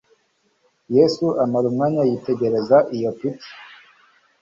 Yesu amara umwanya yitegereza iyo pica: